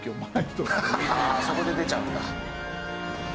ああそこで出ちゃうんだ。